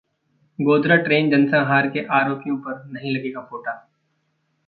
'Godhra train जनसंहार के आरोपियों पर नहीं लगेगा पोटा'